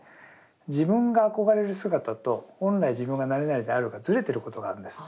自分が憧れる姿と本来自分が何々であるがずれてることがあるんですね。